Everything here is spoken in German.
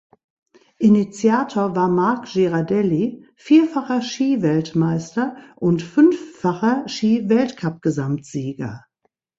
Initiator war Marc Girardelli, vierfacher Ski-Weltmeister und fünffacher Skiweltcup-Gesamtsieger.